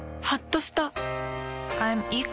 はっとした。